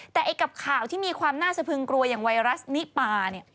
แต่ไอ้กับข่าวที่มีความน่าสะพึงกลัวอย่างไวรัสนิปาเนี่ย